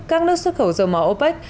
các nước xuất khẩu dầu mỏ opec